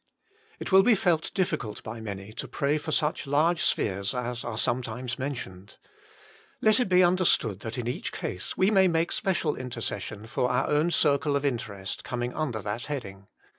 It will be felt diflicult by many to pray for such large spheres as are sometimes mentioned. Let it be understood that in each case we may make special intercession for our own circle of interest coming under that heading.